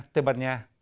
tây ban nha